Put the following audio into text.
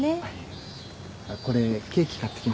これケーキ買ってきました。